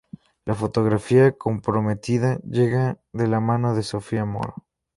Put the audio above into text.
La fotografía comprometida llega de la mano de Sofía Moro.